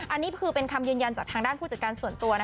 อันนี้คือเป็นคำยืนยันจากทางด้านผู้จัดการส่วนตัว